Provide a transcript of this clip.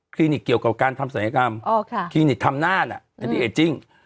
นิกเกี่ยวกับการทำศัลยกรรมคลินิกทำหน้าน่ะเป็นพี่เอจจิ้ง